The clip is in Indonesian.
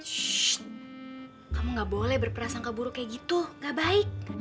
shhh kamu gak boleh berperasaan keburuk kayak gitu gak baik